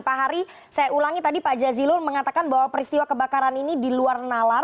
pak hari saya ulangi tadi pak jazilul mengatakan bahwa peristiwa kebakaran ini di luar nalar